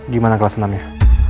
gimana kelas enam nya